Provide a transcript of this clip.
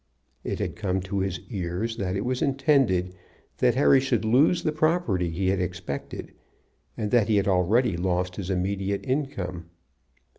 It had come to his ears that it was intended that Harry should lose the property he had expected, and that he had already lost his immediate income.